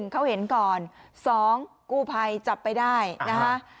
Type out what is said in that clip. เขาเห็นก่อน๒กู้ภัยจับไปได้นะคะ